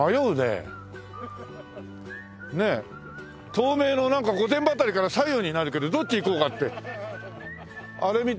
東名のなんか御殿場辺りから左右になるけどどっち行こうかってあれみたいな。